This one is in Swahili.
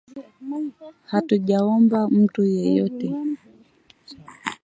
Hatujaomba mtu yeyote